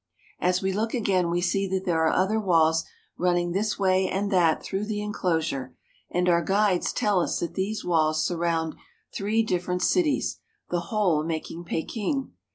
As we look again we see that there are other walls run ning this way and that through the inclosure, and our guides tell us that these walls surround three different cities, the whole making Peking.